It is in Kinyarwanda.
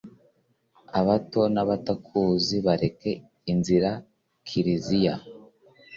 abato n'abatakuzi bereke inzira, kiliziya